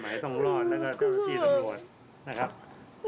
หมายต้องรอดแล้วก็เจ้าหน้าที่ตำรวจ